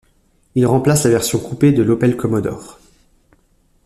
Il remplace la version coupé de l'Opel Commodore.